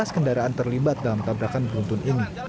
sebelas kendaraan terlibat dalam tabrakan beruntun ini